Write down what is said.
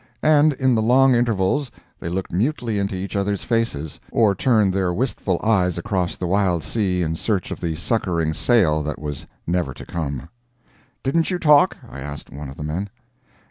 And in the long intervals they looked mutely into each other's faces, or turned their wistful eyes across the wild sea in search of the succoring sail that was never to come. "Didn't you talk?" I asked one of the men.